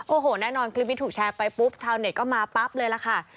โอ้โหแน่นอนคลิปนี้ถูกแชร์ไปปุ๊บชาวเน็ตก็มาปั๊บเลยล่ะค่ะ